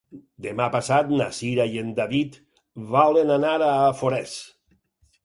Demà passat na Cira i en David volen anar a Forès.